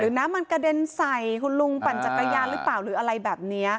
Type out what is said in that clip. น้ำมันกระเด็นใส่คุณลุงปั่นจักรยานหรือเปล่าหรืออะไรแบบนี้